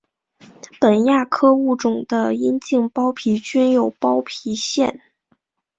本亚科物种的阴茎包皮均有包皮腺。